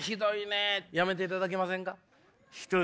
やめていただけませんか？